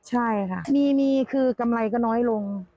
ใช่ค่ะมีคือกำไรก็น้อยลง